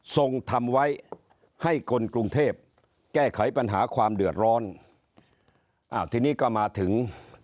ส่งทำไว้ให้คนกรุงเทพแก้ไขปัญหาความเดือดร้อนอ่าทีนี้ก็มาถึง